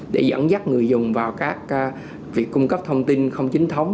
để dẫn dắt người dùng vào các việc cung cấp thông tin không chính thống